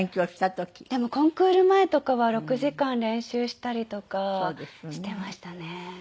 でもコンクール前とかは６時間練習したりとかしてましたね。